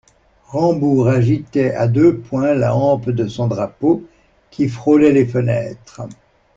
Rambourg agitait à deux poings la hampe de son drapeau, qui frôlait les fenêtres.